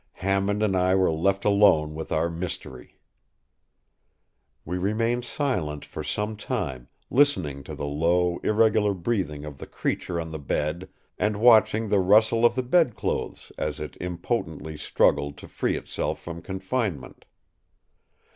Hammond and I were left alone with our Mystery. We remained silent for some time, listening to the low irregular breathing of the creature on the bed and watching the rustle of the bed clothes as it impotently struggled to free itself from confinement.